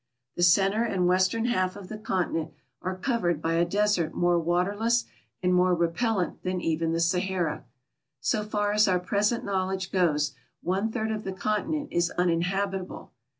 The center and western half of the continent are covered by a desert more waterless and more repellent than even the Sahara ; so far as our present knowledge goes, one third of the continent is uninhabit able.